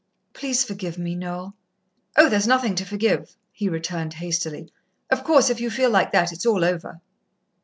"Please forgive me, Noel." "Oh, there's nothing to forgive," he returned hastily. "Of course, if you feel like that, it's all over."